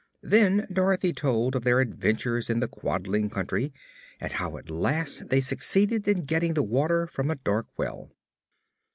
Then Dorothy told of their adventures in the Quadling Country and how at last they succeeded in getting the water from a dark well.